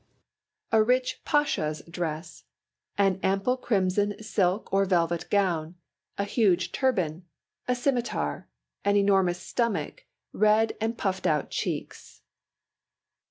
BREAD. A rich pasha's dress. An ample crimson silk or velvet gown. A huge turban. A scimitar. An enormous stomach, red and puffed out cheeks.